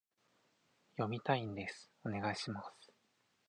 読みたいんです、お願いします